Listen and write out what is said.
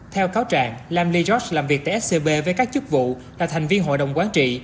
theo cáo trạng lam lee george làm việc tại scb với các chức vụ là thành viên hội đồng quán trị